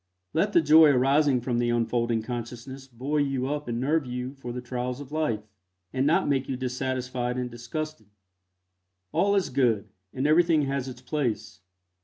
Let the joy arising from the unfolding consciousness buoy you up and nerve you for the trials of life, and not make you dissatisfied and disgusted. All is good, and everything has its place.